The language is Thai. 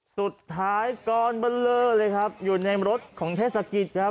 สุดท้ายกรเบอร์เลอร์เลยครับอยู่ในรถของเทศกิจครับ